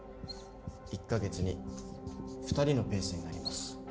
１か月に２人のペースになります。